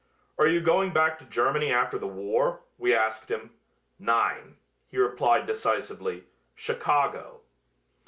"Are you going back to Germany after the war?" we asked him. "Nein," he replied decisively, "Chicago."